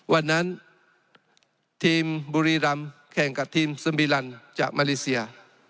วันนั้นทีมบุรีรำแข่งกับทีมซึมบีลันจากมาเลเซีย